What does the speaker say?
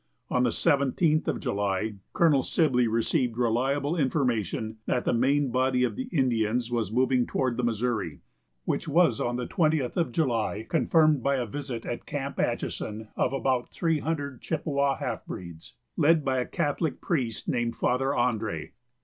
On the 17th of July Colonel Sibley received reliable information that the main body of the Indians was moving toward the Missouri, which was on the 20th of July confirmed by a visit at Camp Atchison of about three hundred Chippewa half breeds, led by a Catholic priest named Father Andre.